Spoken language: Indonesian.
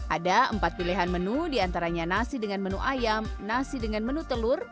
ada empat pilihan menu diantaranya nasi dengan menu ayam nasi dengan menu telur